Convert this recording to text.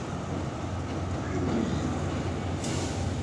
Hwɛ mu yiye